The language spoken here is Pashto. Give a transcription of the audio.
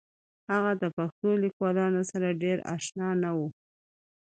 هغه د پښتو لیکوالانو سره ډېر اشنا نه و